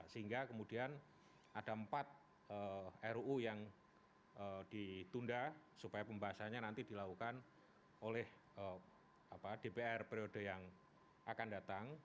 sehingga kemudian ada empat ruu yang ditunda supaya pembahasannya nanti dilakukan oleh dpr periode yang akan datang